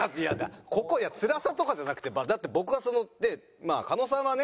ここいやつらさとかじゃなくてだって狩野さんはね